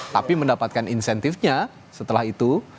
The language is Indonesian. tapi mendapatkan insentifnya setelah itu